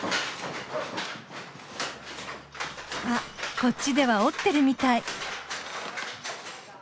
あこっちでは織ってるみたい。